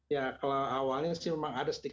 ya kalau awalnya sih memang ada stigma